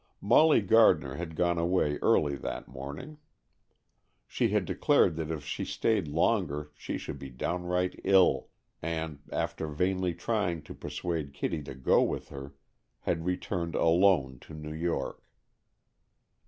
Molly Gardner had gone away early that morning. She had declared that if she stayed longer she should be downright ill, and, after vainly trying to persuade Kitty to go with her, had returned alone to New York.